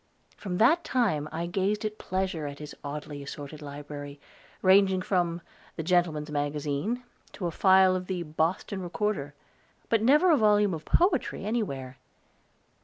From that time I grazed at pleasure in his oddly assorted library, ranging from "The Gentleman's Magazine" to a file of the "Boston Recorder"; but never a volume of poetry anywhere.